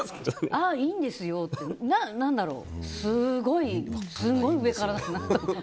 ああ、いいんですよってすごい上からな気が。